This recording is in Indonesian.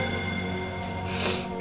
gak usah sayang